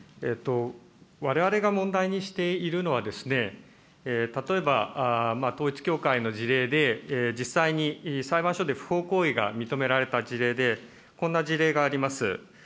われわれが問題にしているのは、例えば統一教会の事例で、実際に裁判所で不法行為が認められた事例で、こんな事例があります。